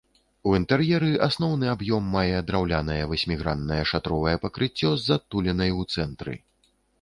У інтэр'еры асноўны аб'ём мае драўлянае васьміграннае шатровае пакрыццё з адтулінай у цэнтры.